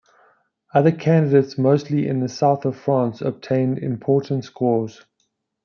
Other candidates, mostly in the south of France obtained important scores.